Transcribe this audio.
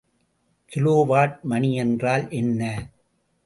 Kilowatt மணி என்றால் என்ன?